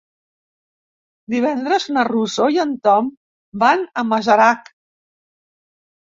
Divendres na Rosó i en Tom van a Masarac.